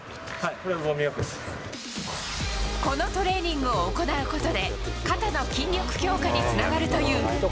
これがウォーミングアップでこのトレーニングを行うことで、肩の筋力強化につながるという。